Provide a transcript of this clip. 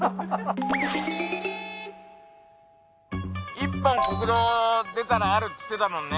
１本国道出たらあるっつってたもんね。